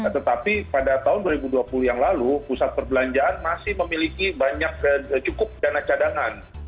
tetapi pada tahun dua ribu dua puluh yang lalu pusat perbelanjaan masih memiliki banyak cukup dana cadangan